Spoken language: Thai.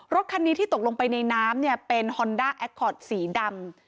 รถคันนี้ที่ตกลงไปในน้ำเนี่ยเป็นฮอนด้าแอคคอร์ดสีดำ